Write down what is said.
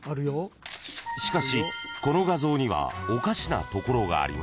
［しかしこの画像にはおかしなところがあります］